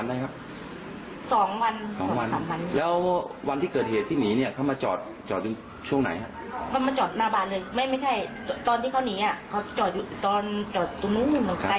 เขามาจอดหน้าบานเลยไม่ไม่ใช่ตอนที่เขานีอ่ะเขาจอดอยู่ตอนจอดตรงนู้นหรือใกล้